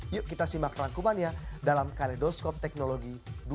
yuk kita simak rangkumannya dalam kaledoskop teknologi dua ribu dua puluh